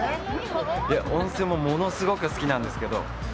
いや、温泉も物すごく好きなんですけど。